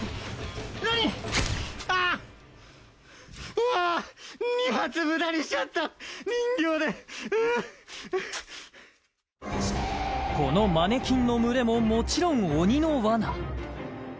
うわー人形でうっこのマネキンの群れももちろん鬼の罠